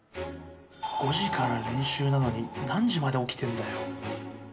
５時から練習なのに何時まで起きてんだよ。